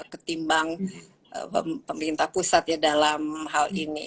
ketimbang pemerintah pusat ya dalam hal ini